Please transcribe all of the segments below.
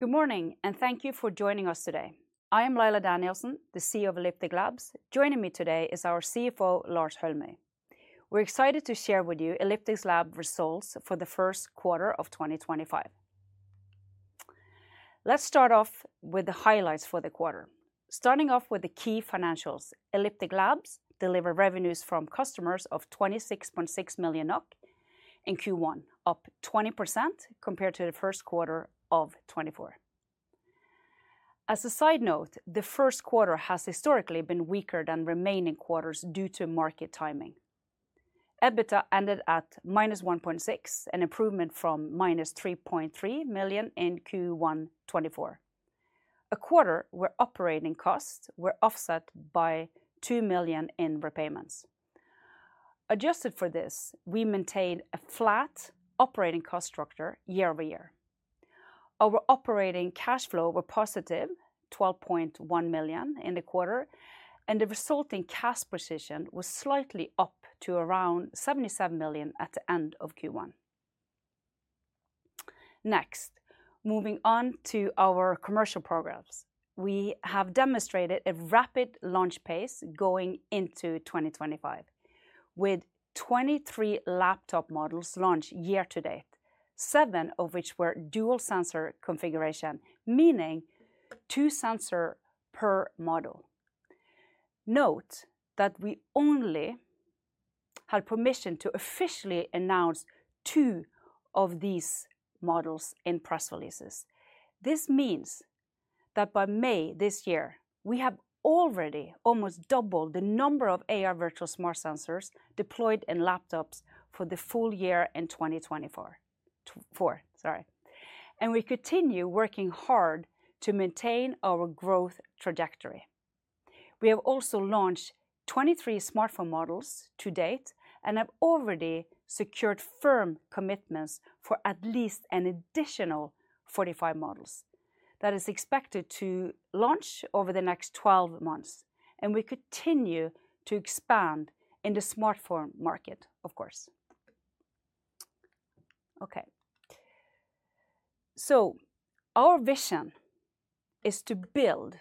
Good morning, and thank you for joining us today. I am Laila Danielsen, the CEO of Elliptic Labs. Joining me today is our CFO, Lars Holmøy. We're excited to share with you Elliptic Labs' results for the first quarter of 2025. Let's start off with the highlights for the quarter. Starting off with the key financials, Elliptic Labs delivered revenues from customers of 26.6 million NOK in Q1, up 20% compared to the first quarter of 2024. As a side note, the first quarter has historically been weaker than remaining quarters due to market timing. EBITDA ended at -1.6 million, an improvement from -3.3 million in Q1 2024. A quarter where operating costs were offset by 2 million in repayments. Adjusted for this, we maintaind a flat operating cost structure year over year. Our operating cash flow was +12.1 million in the quarter, and the resulting cash position was slightly up to around 77 million at the end of Q1. Next, moving on to our commercial programs, we have demonstrated a rapid launch pace going into 2025, with 23 laptop models launched year to date, seven of which were dual-sensor configuration, meaning two sensors per model. Note that we only had permission to officially announce two of these models in press releases. This means that by May this year, we have already almost doubled the number of AI Virtual Smart Sensors deployed in laptops for the full year in 2024. We continue working hard to maintain our growth trajectory. We have also launched 23 smartphone models to date and have already secured firm commitments for at least an additional 45 models. That is expected to launch over the next 12 months, and we continue to expand in the smartphone market, of course. Okay, our vision is to build,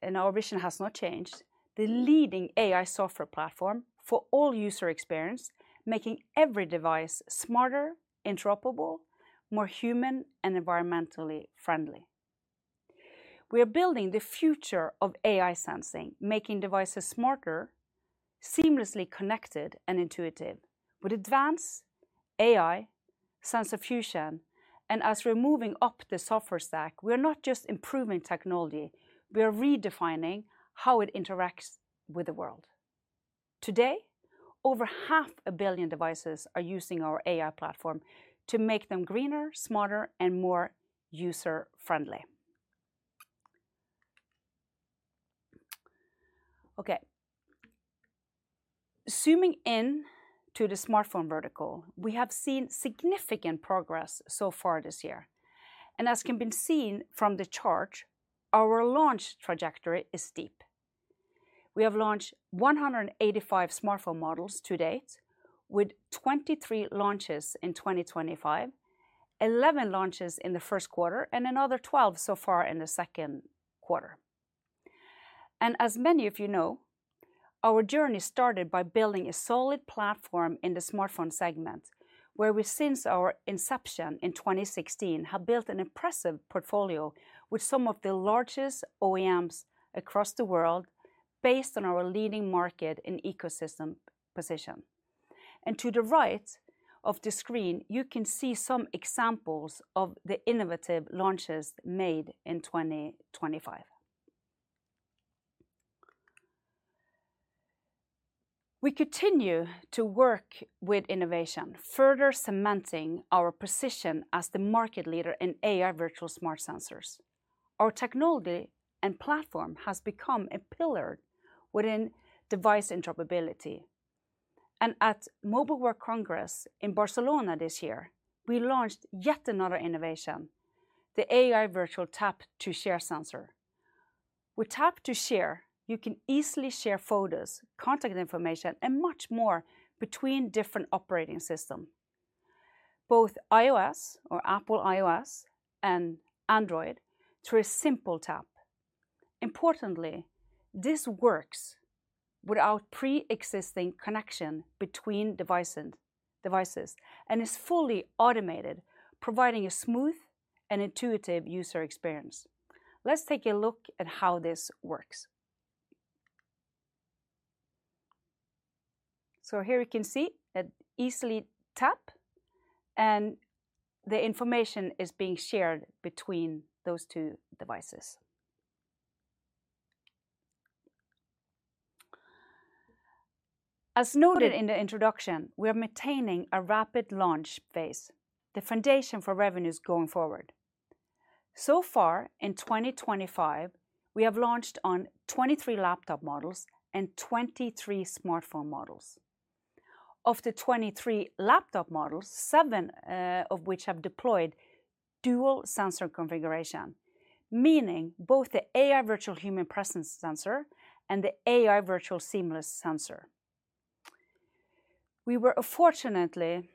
and our vision has not changed, the leading AI software platform for all user experience, making every device smarter, interoperable, more human, and environmentally friendly. We are building the future of AI sensing, making devices smarter, seamlessly connected, and intuitive. With advanced AI sensor fusion and us moving up the software stack, we are not just improving technology. We are redefining how it interacts with the world. Today, over half a billion devices are using our AI platform to make them greener, smarter, and more user-friendly. Okay, zooming in to the smartphone vertical, we have seen significant progress so far this year. As can be seen from the chart, our launch trajectory is steep. We have launched 185 smartphone models to date, with 23 launches in 2025, 11 launches in the first quarter, and another 12 so far in the second quarter. As many of you know, our journey started by building a solid platform in the smartphone segment, where we since our inception in 2016 have built an impressive portfolio with some of the largest OEMs across the world based on our leading market and ecosystem position. To the right of the screen, you can see some examples of the innovative launches made in 2025. We continue to work with innovation, further cementing our position as the market leader in AI Virtual Smart Sensors. Our technology and platform have become a pillar within device interoperability. At Mobile World Congress in Barcelona this year, we launched yet another innovation, the AI Virtual Tap-to-Share Sensor. With tap-to-share, you can easily share photos, contact information, and much more between different operating systems, both iOS or Apple iOS and Android, through a simple tap. Importantly, this works without pre-existing connection between devices and is fully automated, providing a smooth and intuitive user experience. Let's take a look at how this works. Here you can see that you easily tap, and the information is being shared between those two devices. As noted in the introduction, we are maintaining a rapid launch phase, the foundation for revenues going forward. So far, in 2025, we have launched on 23 laptop models and 23 smartphone models. Of the 23 laptop models, seven of which have deployed dual-sensor configuration, meaning both the AI Virtual Human Presence Sensor and the AI Virtual Seamless Sensor. We were fortunately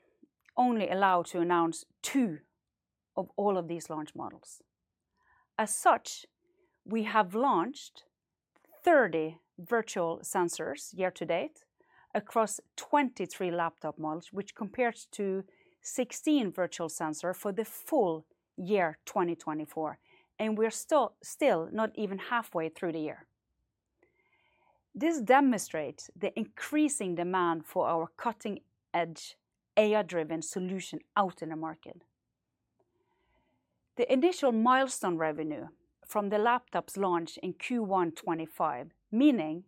only allowed to announce two of all of these launch models. As such, we have launched 30 virtual sensors year to date across 23 laptop models, which compares to 16 virtual sensors for the full year 2024, and we are still not even halfway through the year. This demonstrates the increasing demand for our cutting-edge AI-driven solution out in the market. The initial milestone revenue from the laptops launched in Q1 2025, meaning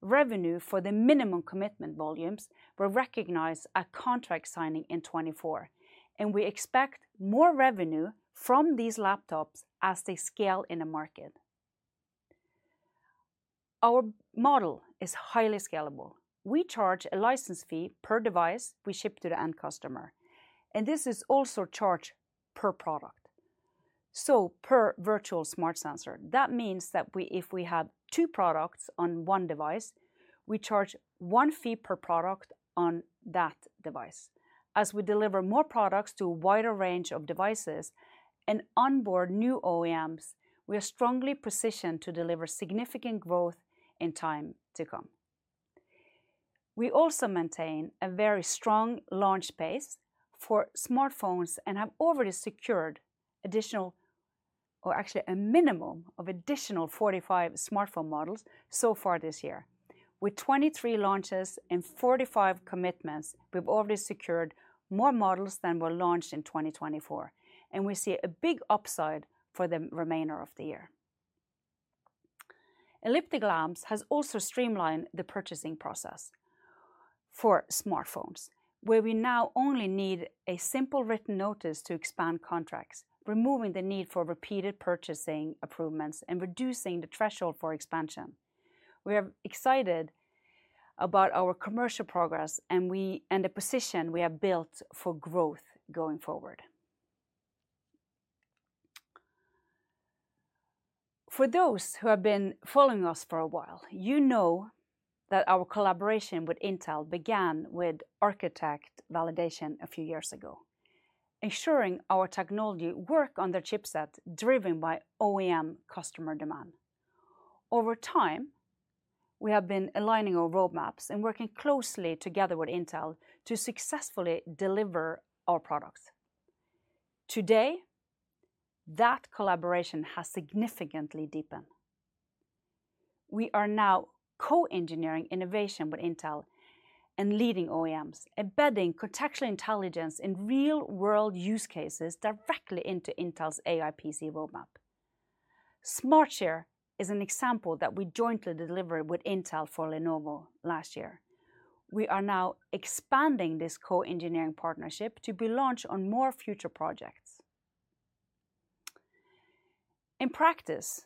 revenue for the minimum commitment volumes, were recognized at contract signing in 2024, and we expect more revenue from these laptops as they scale in the market. Our model is highly scalable. We charge a license fee per device we ship to the end customer, and this is also charged per product. So per virtual smart sensor, that means that if we have two products on one device, we charge one fee per product on that device. As we deliver more products to a wider range of devices and onboard new OEMs, we are strongly positioned to deliver significant growth in time to come. We also maintain a very strong launch base for smartphones and have already secured additional, or actually a minimum of additional 45 smartphone models so far this year. With 23 launches and 45 commitments, we've already secured more models than were launched in 2024, and we see a big upside for the remainder of the year. Elliptic Labs has also streamlined the purchasing process for smartphones, where we now only need a simple written notice to expand contracts, removing the need for repeated purchasing improvements and reducing the threshold for expansion. We are excited about our commercial progress and the position we have built for growth going forward. For those who have been following us for a while, you know that our collaboration with Intel began with architect validation a few years ago, ensuring our technology works on the chipset driven by OEM customer demand. Over time, we have been aligning our roadmaps and working closely together with Intel to successfully deliver our products. Today, that collaboration has significantly deepened. We are now co-engineering innovation with Intel and leading OEMs, embedding contextual intelligence in real-world use cases directly into Intel's AI PC roadmap. SmartShare is an example that we jointly delivered with Intel for Lenovo last year. We are now expanding this co-engineering partnership to be launched on more future projects. In practice,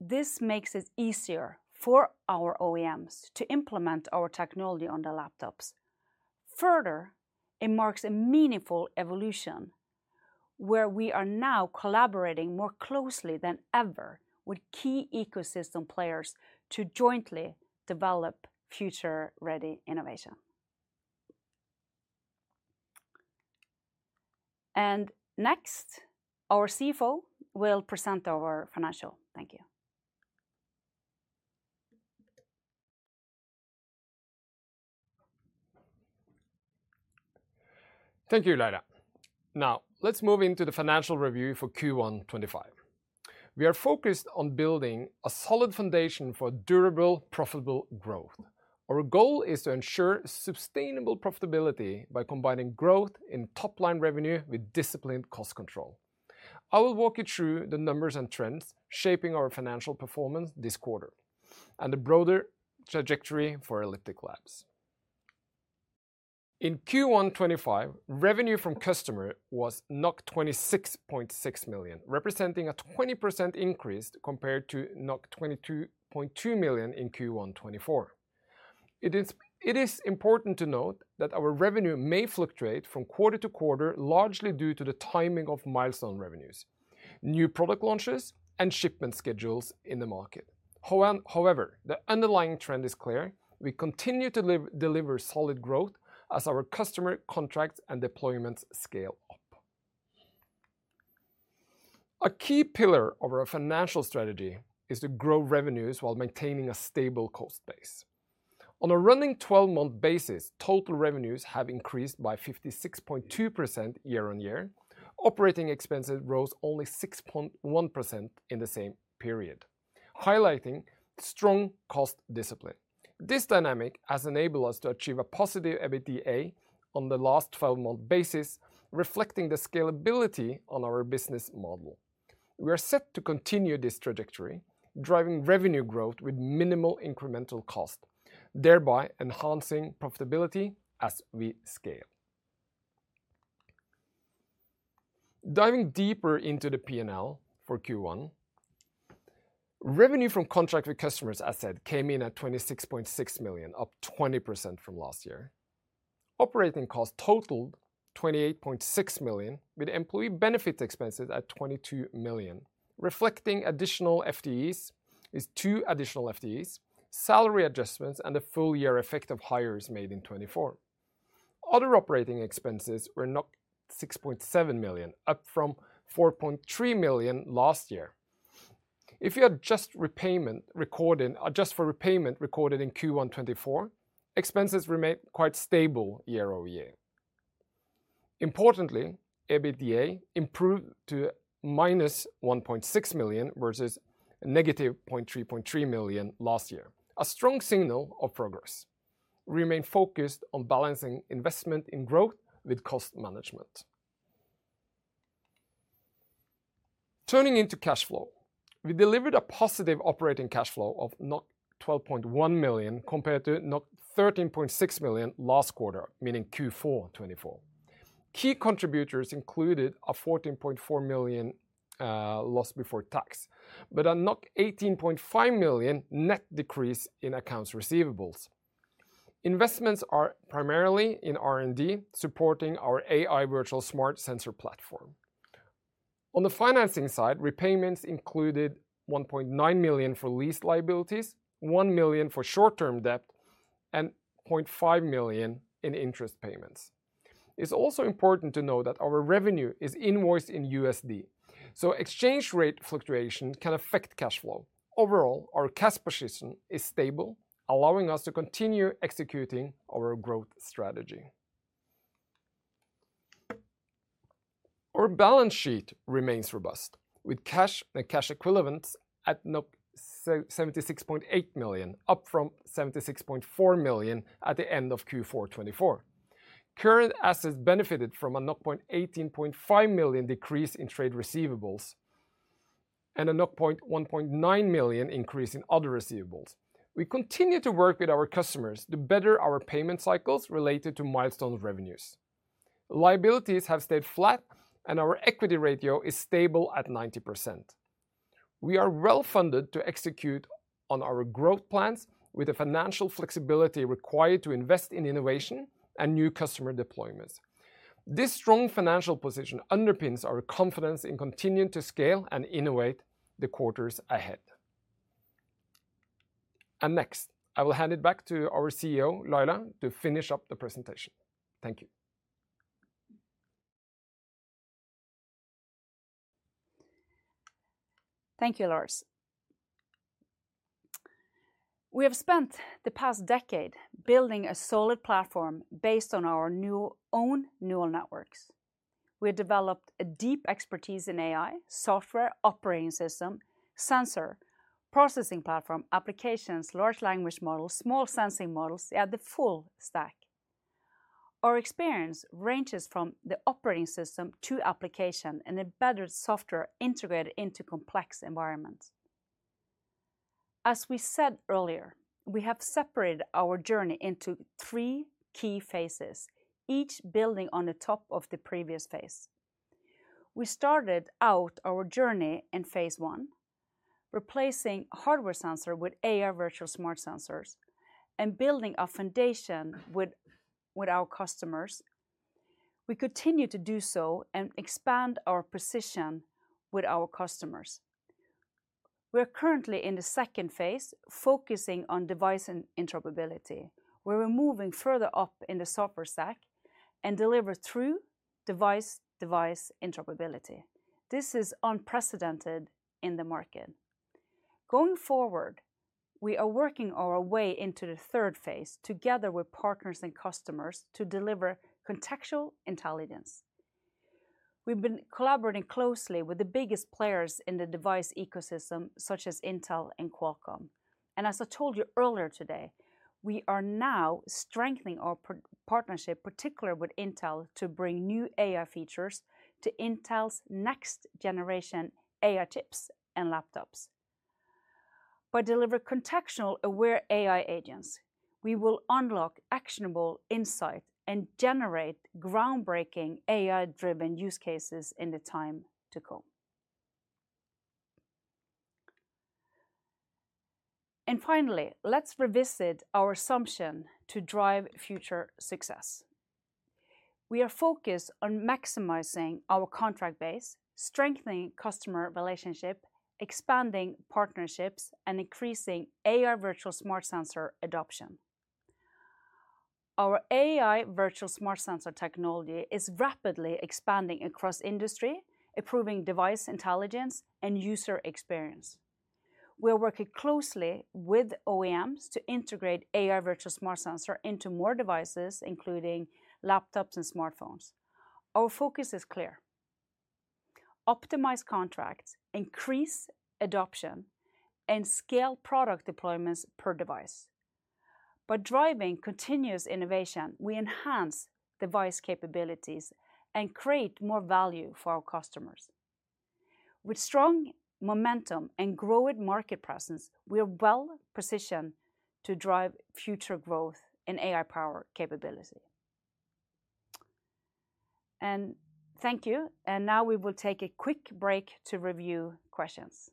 this makes it easier for our OEMs to implement our technology on the laptops. Further, it marks a meaningful evolution where we are now collaborating more closely than ever with key ecosystem players to jointly develop future-ready innovation. Next, our CFO will present our financial. Thank you. Thank you, Laila. Now, let's move into the financial review for Q1 2025. We are focused on building a solid foundation for durable, profitable growth. Our goal is to ensure sustainable profitability by combining growth in top-line revenue with disciplined cost control. I will walk you through the numbers and trends shaping our financial performance this quarter and the broader trajectory for Elliptic Labs. In Q1 2025, revenue from customers was 26.6 million, representing a 20% increase compared to 22.2 million in Q1 2024. It is important to note that our revenue may fluctuate from quarter to quarter, largely due to the timing of milestone revenues, new product launches, and shipment schedules in the market. However, the underlying trend is clear. We continue to deliver solid growth as our customer contracts and deployments scale up. A key pillar of our financial strategy is to grow revenues while maintaining a stable cost base. On a running 12-month basis, total revenues have increased by 56.2% year-on-year. Operating expenses rose only 6.1% in the same period, highlighting strong cost discipline. This dynamic has enabled us to achieve a positive EBITDA on the last 12-month basis, reflecting the scalability of our business model. We are set to continue this trajectory, driving revenue growth with minimal incremental cost, thereby enhancing profitability as we scale. Diving deeper into the P&L for Q1, revenue from contract with customers assets came in at 26.6 million, up 20% from last year. Operating costs totaled 28.6 million, with employee benefits expenses at 22 million, reflecting additional FTEs, two additional FTEs, salary adjustments, and the full-year effect of hires made in 2024. Other operating expenses were 6.7 million, up from 4.3 million last year. If you adjust for repayment recorded in Q1 2024, expenses remain quite stable year over year. Importantly, EBITDA improved to -1.6 million versus -3.3 million last year, a strong signal of progress. We remain focused on balancing investment in growth with cost management. Turning into cash flow, we delivered a positive operating cash flow of 12.1 million compared to 13.6 million last quarter, meaning Q4 2024. Key contributors included a 14.4 million loss before tax, but a 18.5 million net decrease in accounts receivables. Investments are primarily in R&D supporting our AI Virtual Smart Sensor Platform. On the financing side, repayments included 1.9 million for lease liabilities, 1 million for short-term debt, and 0.5 million in interest payments. It's also important to note that our revenue is invoiced in dollars USD, so exchange rate fluctuation can affect cash flow. Overall, our cash position is stable, allowing us to continue executing our growth strategy. Our balance sheet remains robust, with cash and cash equivalents at 76.8 million, up from 76.4 million at the end of Q4 2024. Current assets benefited from a 18.5 million decrease in trade receivables and a 1.9 million increase in other receivables. We continue to work with our customers to better our payment cycles related to milestone revenues. Liabilities have stayed flat, and our equity ratio is stable at 90%. We are well-funded to execute on our growth plans with the financial flexibility required to invest in innovation and new customer deployments. This strong financial position underpins our confidence in continuing to scale and innovate the quarters ahead. Next, I will hand it back to our CEO, Laila, to finish up the presentation. Thank you. Thank you, Lars. We have spent the past decade building a solid platform based on our own neural networks. We have developed a deep expertise in AI, software, operating system, sensor, processing platform, applications, large language models, small sensing models, and the full stack. Our experience ranges from the operating system to application and embedded software integrated into complex environments. As we said earlier, we have separated our journey into three key phases, each building on the top of the previous phase. We started out our journey in phase one, replacing hardware sensors with AI virtual smart sensors and building a foundation with our customers. We continue to do so and expand our position with our customers. We are currently in the second phase, focusing on device interoperability. We're moving further up in the software stack and deliver through device-to-device interoperability. This is unprecedented in the market. Going forward, we are working our way into the third phase together with partners and customers to deliver contextual intelligence. We have been collaborating closely with the biggest players in the device ecosystem, such as Intel and Qualcomm. As I told you earlier today, we are now strengthening our partnership, particularly with Intel, to bring new AI features to Intel's next-generation AI chips and laptops. By delivering context-aware AI agents, we will unlock actionable insight and generate groundbreaking AI-driven use cases in the time to come. Finally, let's revisit our assumption to drive future success. We are focused on maximizing our contract base, strengthening customer relationships, expanding partnerships, and increasing AI virtual smart sensor adoption. Our AI virtual smart sensor technology is rapidly expanding across industry, improving device intelligence and user experience. We are working closely with OEMs to integrate AI Virtual Smart Sensors into more devices, including laptops and smartphones. Our focus is clear: optimize contracts, increase adoption, and scale product deployments per device. By driving continuous innovation, we enhance device capabilities and create more value for our customers. With strong momentum and growing market presence, we are well-positioned to drive future growth in AI-powered capability. Thank you. Now we will take a quick break to review questions.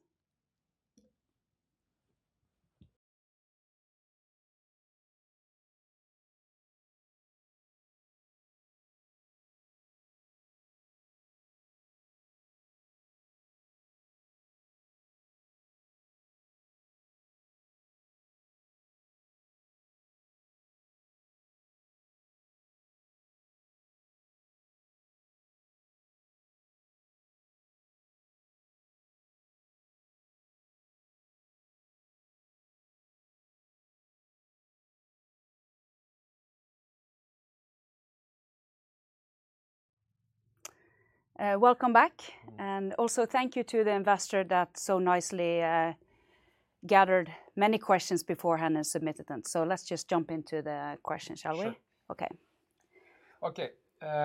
Welcome back. Thank you to the investor that so nicely gathered many questions beforehand and submitted them. Let's just jump into the questions, shall we? Sure. Okay. Okay.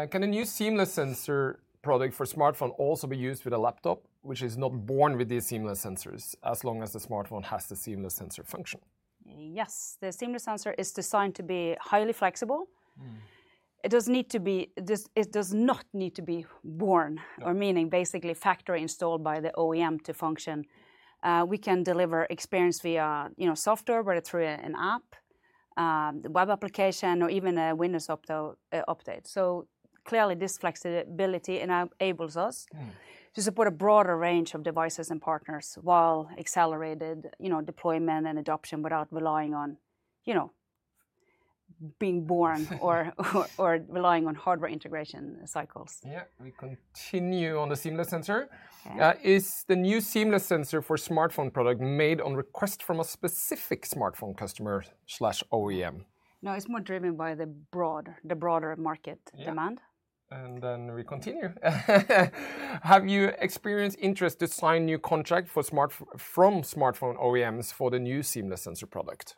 Can a new seamless sensor product for smartphone also be used with a laptop, which is not born with these seamless sensors as long as the smartphone has the seamless sensor function? Yes. The seamless sensor is designed to be highly flexible. It does not need to be born, or meaning basically factory-installed by the OEM to function. We can deliver experience via software, whether through an app, the web application, or even a Windows update. Clearly, this flexibility enables us to support a broader range of devices and partners while accelerating deployment and adoption without relying on being born or relying on hardware integration cycles. Yeah. We continue on the seamless sensor. Is the new seamless sensor for smartphone product made on request from a specific smartphone customer/OEM? No, it's more driven by the broader market demand. Have you experienced interest to sign new contracts from smartphone OEMs for the new seamless sensor product?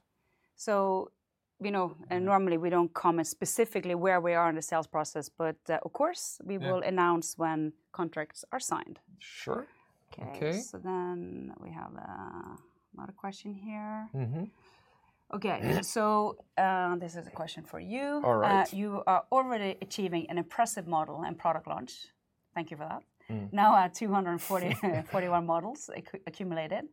Normally, we don't comment specifically where we are in the sales process, but of course, we will announce when contracts are signed. Sure. Okay. So then we have another question here. Okay. So this is a question for you. All right. You are already achieving an impressive model and product launch. Thank you for that. Now at 241 models accumulated.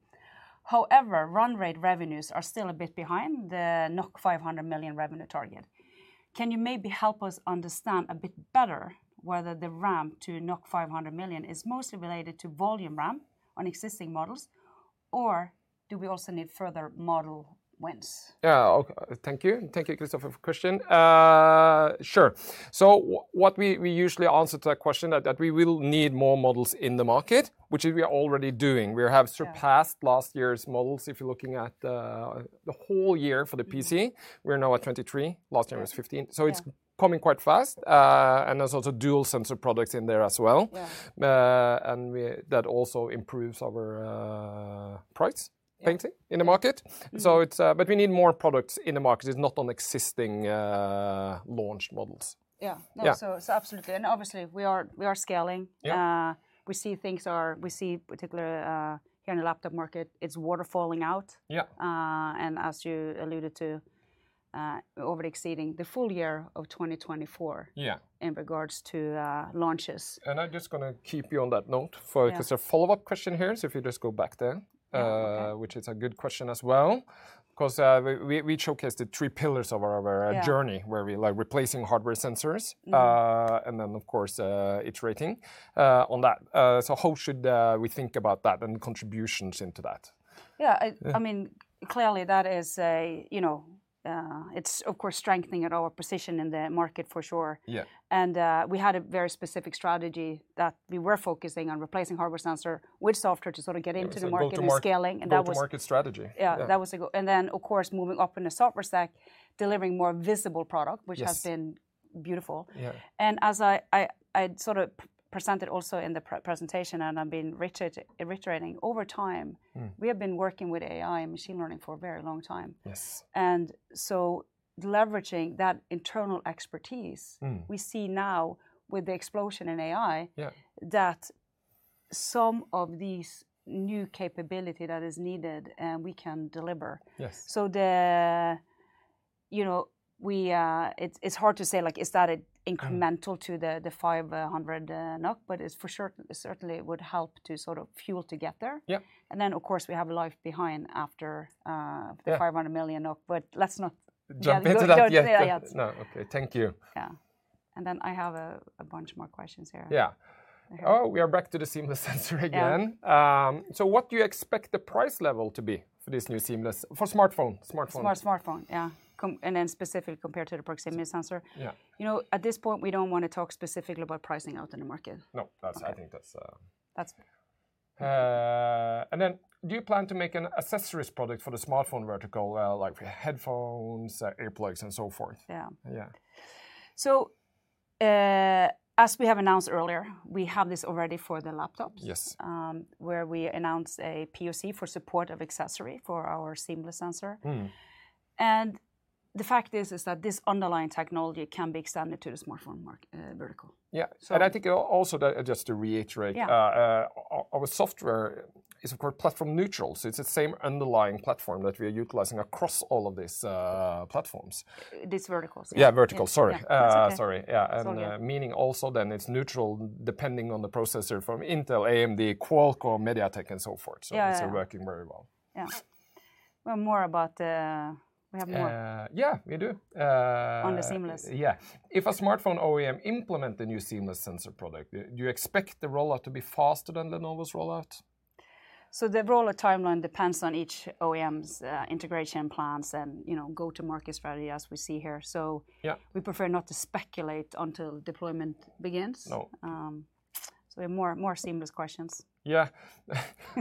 However, run rate revenues are still a bit behind the 500 million revenue target. Can you maybe help us understand a bit better whether the ramp to 500 million is mostly related to volume ramp on existing models, or do we also need further model wins? Yeah. Thank you. Thank you, Christopher, for the question. Sure. What we usually answer to that question is that we will need more models in the market, which we are already doing. We have surpassed last year's models if you're looking at the whole year for the PC. We're now at 23. Last year, it was 15. It is coming quite fast. There are also dual sensor products in there as well. That also improves our price painting in the market. We need more products in the market. It is not on existing launched models. Yeah. No, absolutely. Obviously, we are scaling. We see things are, we see particularly here in the laptop market, it's water falling out. As you alluded to, over-exceeding the full year of 2024 in regards to launches. I'm just going to keep you on that note because there's a follow-up question here. If you just go back there, which is a good question as well, because we showcased the three pillars of our journey where we're replacing hardware sensors and then, of course, iterating on that. How should we think about that and the contributions into that? Yeah. I mean, clearly, that is a, it's, of course, strengthening our position in the market for sure. And we had a very specific strategy that we were focusing on replacing hardware sensor with software to sort of get into the market and scaling. Into the market strategy. Yeah. Of course, moving up in the software stack, delivering more visible product, which has been beautiful. As I sort of presented also in the presentation and I've been reiterating, over time, we have been working with AI and machine learning for a very long time. Leveraging that internal expertise, we see now with the explosion in AI that some of these new capabilities that are needed, we can deliver. It's hard to say, is that incremental to the 500 million NOK, but it certainly would help to sort of fuel to get there. Of course, we have a life behind after the 500 million, but let's not. Jump into that. Yeah. No. Okay. Thank you. Yeah. I have a bunch more questions here. Yeah. Oh, we are back to the seamless sensor again. What do you expect the price level to be for this new seamless for smartphone? Smart smartphone, yeah. Specifically compared to the proximity sensor, at this point, we don't want to talk specifically about pricing out in the market. No. I think that's. That's good. Do you plan to make an accessories product for the smartphone vertical, like for headphones, earplugs, and so forth? Yeah. Yeah. As we have announced earlier, we have this already for the laptops, where we announced a POC for support of accessory for our seamless sensor. The fact is that this underlying technology can be extended to the smartphone vertical. Yeah. I think also just to reiterate, our software is, of course, platform neutral. It is the same underlying platform that we are utilizing across all of these platforms. This vertical. Yeah, vertical. Sorry. Sorry. Yeah. Meaning also then it's neutral depending on the processor from Intel, AMD, Qualcomm, MediaTek, and so forth. It's working very well. Yeah. More about the we have more. Yeah, we do. On the seamless. Yeah. If a smartphone OEM implements the new seamless sensor product, do you expect the rollout to be faster than the Nova's rollout? The rollout timeline depends on each OEM's integration plans and go-to-market strategy as we see here. We prefer not to speculate until deployment begins. No. We have more seamless questions. Yeah.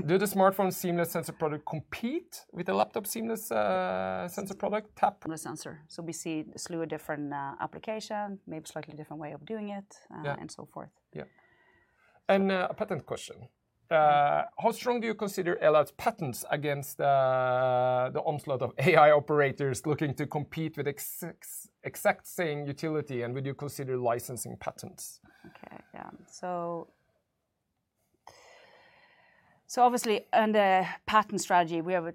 Do the smartphone seamless sensor product compete with the laptop seamless sensor product? Tap Sensor. We see a slew of different applications, maybe slightly different way of doing it, and so forth. Yeah. A patent question. How strong do you consider Elliptic Labs' patents against the onslaught of AI operators looking to compete with exact same utility? Would you consider licensing patents? Okay. Yeah. Obviously, on the patent strategy, we are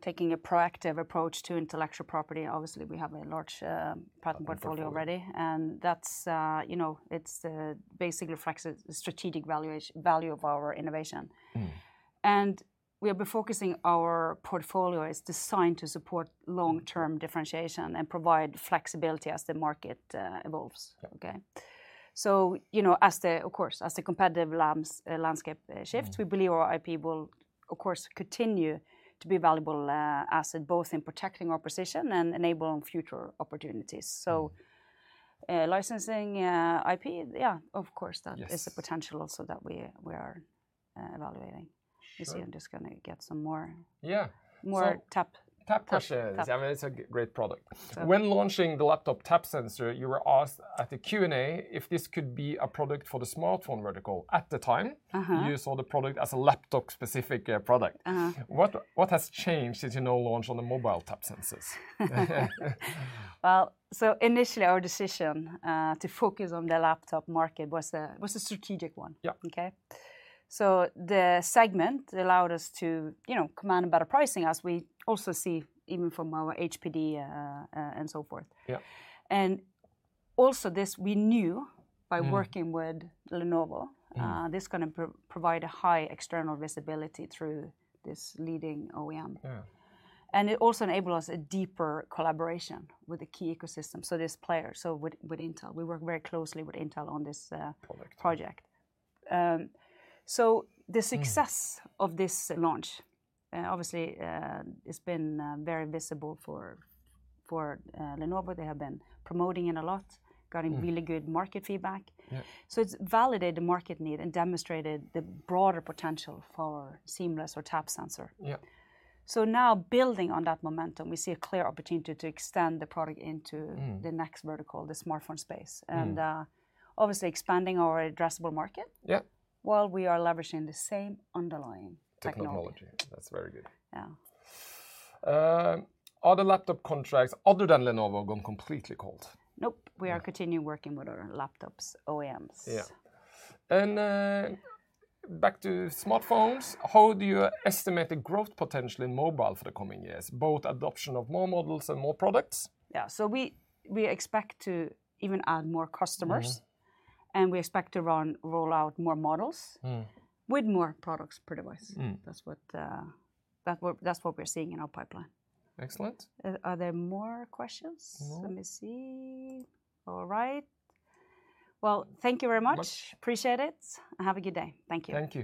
taking a proactive approach to intellectual property. Obviously, we have a large patent portfolio already. It basically reflects the strategic value of our innovation. We have been focusing, our portfolio is designed to support long-term differentiation and provide flexibility as the market evolves. Okay. Of course, as the competitive landscape shifts, we believe our IP will, of course, continue to be a valuable asset, both in protecting our position and enabling future opportunities. Licensing IP, yeah, of course, that is a potential also that we are evaluating. You see, I'm just going to get some more. Yeah. More tap. Tap questions. I mean, it's a great product. When launching the laptop tap sensor, you were asked at the Q&A if this could be a product for the smartphone vertical. At the time, you saw the product as a laptop-specific product. What has changed since Nova launched on the mobile tap sensors? Initially, our decision to focus on the laptop market was a strategic one. Okay. The segment allowed us to command a better pricing, as we also see even from our HPD and so forth. Also, this we knew by working with Lenovo, this is going to provide a high external visibility through this leading OEM. It also enabled us a deeper collaboration with the key ecosystem, so this player. With Intel, we work very closely with Intel on this project. The success of this launch, obviously, it's been very visible for Lenovo. They have been promoting it a lot, gotten really good market feedback. It has validated the market need and demonstrated the broader potential for seamless or tap sensor. Now, building on that momentum, we see a clear opportunity to extend the product into the next vertical, the smartphone space. Obviously, expanding our addressable market while we are leveraging the same underlying technology. Technology. That's very good. Yeah. Are the laptop contracts other than Lenovo gone completely cold? Nope. We are continuing working with our laptop OEMs. Yeah. Back to smartphones, how do you estimate the growth potential in mobile for the coming years, both adoption of more models and more products? Yeah. We expect to even add more customers. We expect to roll out more models with more products per device. That's what we're seeing in our pipeline. Excellent. Are there more questions? Let me see. All right. Thank you very much. Appreciate it. Have a good day. Thank you. Thank you.